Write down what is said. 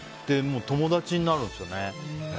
友達になるんですよね。